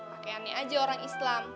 pakaiannya aja orang islam